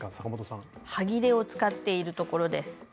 阪本さん。はぎれを使っているところです。